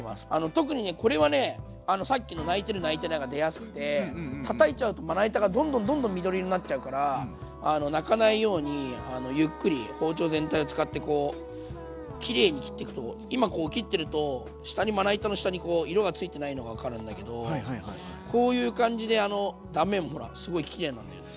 特にこれはねさっきの泣いてる泣いてないが出やすくてたたいちゃうとまな板がどんどんどんどん緑色になっちゃうから泣かないようにゆっくり包丁全体を使ってこうきれいに切っていくと今こう切ってると下にまな板の下に色がついてないの分かるんだけどこういう感じで断面もほらすごいきれいなんです。